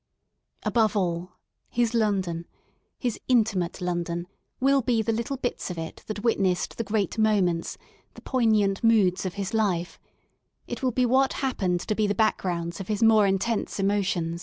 VH Above all his London, his intimate London, will be the little bits of it that witnessed the great moments, the poignant moods of his life ; it will be what happened to be the backgrounds of his more intense emotions.